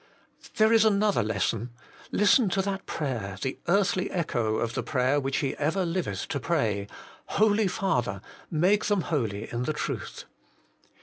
There is another lesson. Listen to that prayer, the earthly echo of the prayer which He ever liveth to pray, ' Holy Father ! make them holy in the truth.'